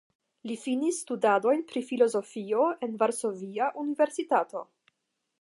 Li finis studojn pri filozofio en Varsovia Universitato.